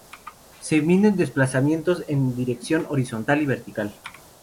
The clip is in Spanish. Se miden desplazamientos en dirección horizontal y vertical.